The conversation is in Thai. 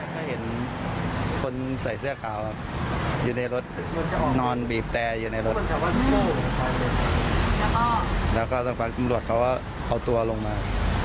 ก็เห็นคนใส่เสื้อขาวครับอยู่ในรถนอนบีบแต่อยู่ในรถแล้วก็สักพักตำรวจเขาก็เอาตัวลงมา